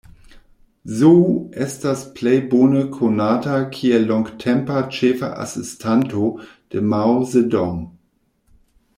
Zhou estas plej bone konata kiel longtempa ĉefa asistanto de Mao Zedong.